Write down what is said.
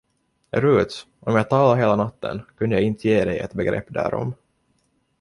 Rut, om jag talade hela natten, kunde jag inte ge dig ett begrepp därom.